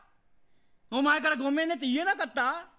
おまえからごめんねって言えなかった。